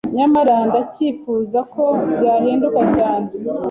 Nyamara ndacyifuza ko byahinduka cyane